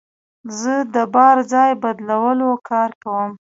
زه د بار ځای بدلولو کار کوم.